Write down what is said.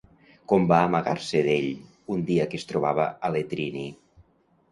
Com va amagar-se d'ell un dia que es trobava a Letrini?